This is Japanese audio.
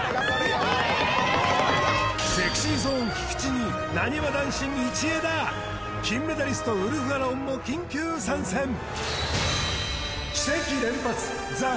菊池になにわ男子道枝金メダリストウルフ・アロンも緊急参戦